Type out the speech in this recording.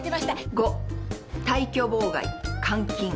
⑤退去妨害監禁。